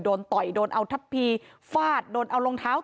ต่อยโดนเอาทัพพีฟาดโดนเอารองเท้า